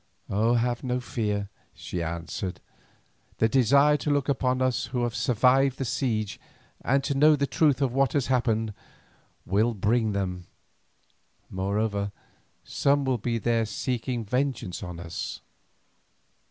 "Have no fear," she answered. "The desire to look upon us who have survived the siege, and to know the truth of what has happened, will bring them. Moreover, some will be there seeking vengeance on us."